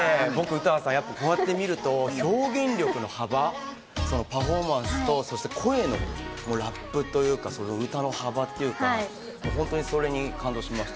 僕、詩羽さん、こうやってみると表現力の幅、パフォーマンス、声、ラップというか、歌の幅っていうか、本当に、それに感動しました。